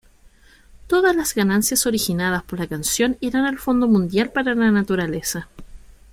Todas las ganancias originadas por la canción irán al Fondo Mundial para la Naturaleza.